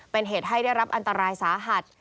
เป็นเหตุให้ได้รับอันตรายสาหัส